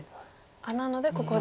なのでここで。